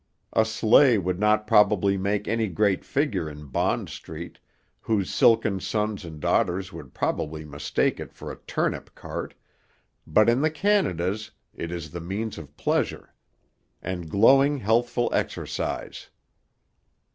A sleigh would not probably make any great figure in Bond street, whose silken sons and daughters would probably mistake it for a turnip cart, but in the Canadas, it is the means of pleasure, and glowing healthful exercise.